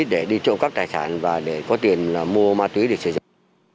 để đi trộm cắp tài sản và để có tiền mua ma túy để sử dụng